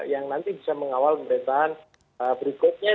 yang nanti bisa mengawal pemerintahan berikutnya